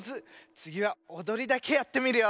つぎはおどりだけやってみるよ。